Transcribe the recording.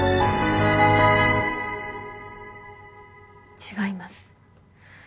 違います